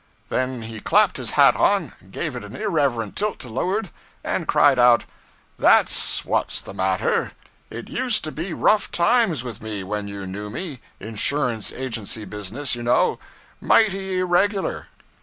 Then he clapped his hat on, gave it an irreverent tilt to leeward, and cried out 'That's what's the matter! It used to be rough times with me when you knew me insurance agency business, you know; mighty irregular.